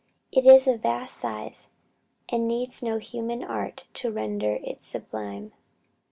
It is of vast size, and needs no human art to render it sublime.